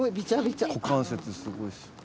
股関節すごいですよね。